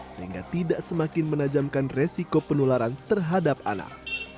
sehingga tidak semakin menajamkan resiko penularan terhadap anak